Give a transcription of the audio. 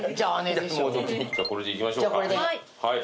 これでいきましょうか。